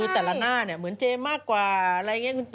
แต่ละหน้าเนี่ยเหมือนเจมมากกว่าอะไรอย่างนี้